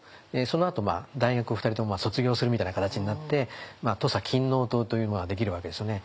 そのあと大学を２人とも卒業するみたいな形になって土佐勤王党というのができるわけですよね。